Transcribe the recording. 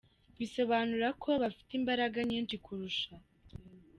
Bisobanura ko bafite imbaraga nyinshi kurusha.